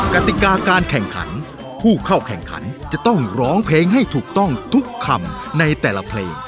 กติกาการแข่งขันผู้เข้าแข่งขันจะต้องร้องเพลงให้ถูกต้องทุกคำในแต่ละเพลง